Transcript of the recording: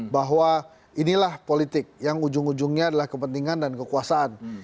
bahwa inilah politik yang ujung ujungnya adalah kepentingan dan kekuasaan